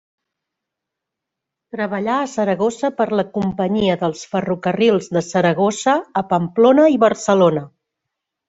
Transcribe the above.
Treballà a Saragossa per la Companyia dels Ferrocarrils de Saragossa a Pamplona i Barcelona.